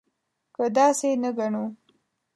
که داسې نه ګڼو.